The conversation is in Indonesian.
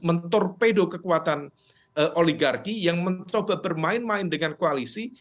mentorpedo kekuatan oligarki yang mencoba bermain main dengan koalisi